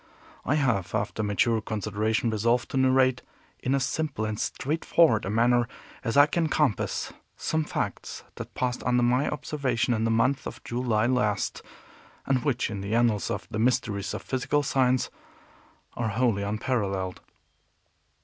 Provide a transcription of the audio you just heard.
I have, after mature consideration resolved to narrate, in as simple and straightforward a manner as I can compass, some facts that passed under my observation, in the month of July last, and which, in the annals of the mysteries of physical science, are wholly unparalleled.